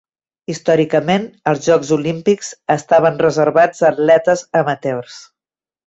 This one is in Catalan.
Històricament, els Jocs Olímpics estaven reservats a atletes amateurs.